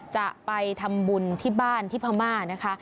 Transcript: จะไปทำบุญที่บ้านที่พม่านะคะ